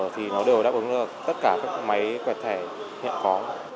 thì nó đều đáp ứng được tất cả các máy quẹt thẻ hiện có